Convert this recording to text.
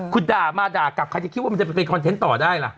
คุณด่ามาด่ากลับใครจะคิดว่ามันจะไปคอนเทนต์ต่อได้ล่ะ